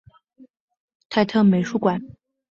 泰特美术馆。